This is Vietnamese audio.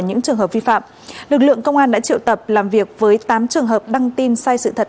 những trường hợp vi phạm lực lượng công an đã triệu tập làm việc với tám trường hợp đăng tin sai sự thật